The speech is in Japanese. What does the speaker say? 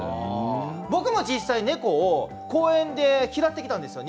僕も実際、猫を公園で拾ってきたんですよ